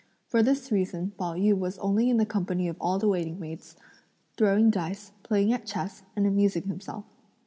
For this reason Pao yü was only in the company of all the waiting maids, throwing dice, playing at chess and amusing himself.